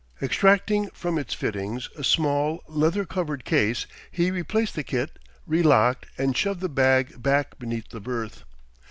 Extracting from its fittings a small leather covered case, he replaced the kit, relocked and shoved the bag back beneath the berth.